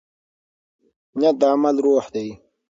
نیت د عمل روح دی.